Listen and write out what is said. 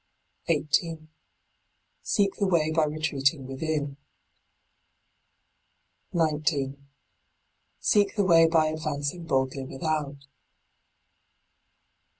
18. Seek the way by retreating within. 19. Seek the way by advancing boldly without.